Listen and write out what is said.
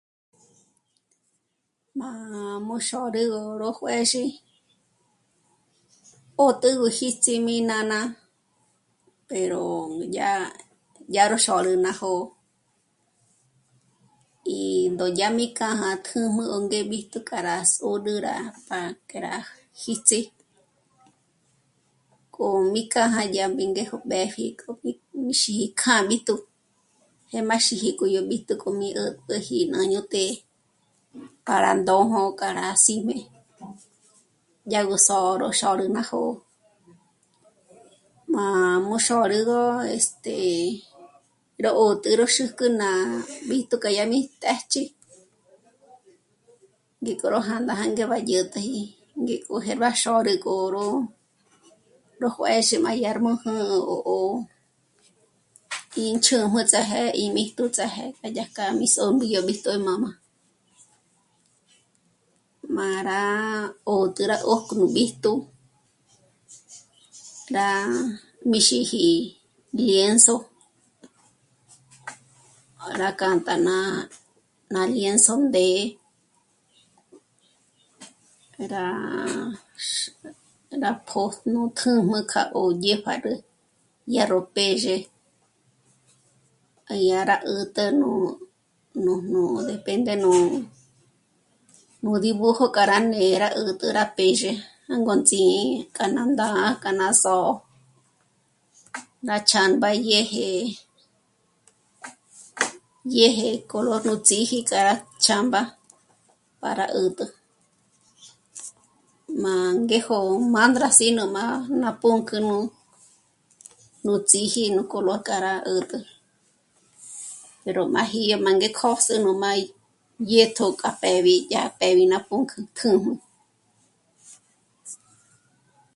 Mâ'a mú xôrü ró... ró juë̌zhi 'ö́jte gú jíts'i mí nána pero... núdyà... dyà rú xôrü ná jó'ó y ndó yá mi kjâ'a tū́jmū 'ó ngé b'íjtu k'a rá s'ôd'ü rá pa que rá jíts'i k'o mí k'ajá yá rí mbéjo mbépji k'o mí mí xíkjáb'íjtu jêm'a xíjiti k'o yó b'íjtu k'o mí 'ä̀tpjäji má ñó té'e para ndojm'o ka rá sí'me dyá gú sò'o ró xôrü ná jó'o. Má mú xôrügö este... ró 'ö́t'ë rú xûk'u ná b'íjtu k'a yá mí téjch'i ngéko ró jânda jânge bá dyä̀t'äji ngéko jêrga xôrü k'ó ró... ró juézhi má dyármu jä́'ä 'ó... 'ó índzhújm'ë ts'áje ímíjtu ts'áje dyájk'a mí sò'm'e yó b'íjtu k'a jmā́'mā. Má rá 'ö́jtü ná 'ójko b'íjtu rá mízhiji lienzo rá kjântja ná lienzo ndé... rá... x... ná pòjnü tújmu kja yó dyépjâdül dyá ró pèzhe, yá rá 'ä̀t'ä nú... nújnù depende nú... nú dibujo k'a rá 'á né'e rá 'ä̀t'ä rá pèzhe jângots'i k'a ná ndá'a k'a ná só'o, ná ch'âmba dyèje, dyèje color nú ts'íji k'a rá ch'âmba para 'ät'ä. Má ngéjo mândrasi nú má'a ná pǔnk'ü nú ts'íji nú color k'a rá 'ä̀t'ä pero máji yá má ngé kjó's'ú má dyä̀t'ä k'a pjèb'i yá pèb'i ná pǔnk'ü tū́jmū